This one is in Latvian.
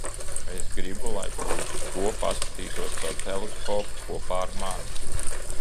Es gribu, lai tu uz to paskatītos caur teleskopu - kopā ar mani.